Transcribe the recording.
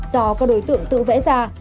do các đối tượng tự vẽ ra